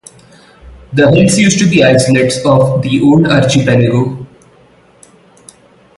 The hills used to be islets of the old archipelago.